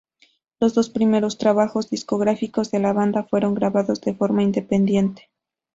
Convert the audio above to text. Los dos primeros trabajos discográficos de la banda, fueron grabados de forma independiente.